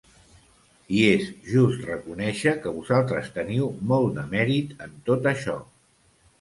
I és just reconèixer que vosaltres teniu molt de mèrit en tot això.